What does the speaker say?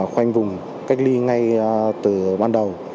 khoanh vùng cách ly ngay từ ban đầu